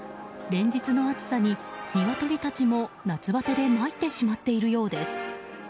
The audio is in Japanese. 連日の暑さに、ニワトリたちも夏バテでまいってしまっているようです。